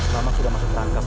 mama sudah masuk tangkap